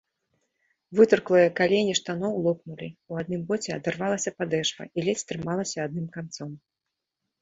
Вытырклыя калені штаноў лопнулі, у адным боце адарвалася падэшва і ледзь трымалася адным канцом.